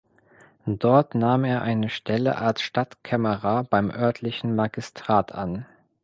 Dort nahm er eine Stelle als Stadtkämmerer beim örtlichen Magistrat an.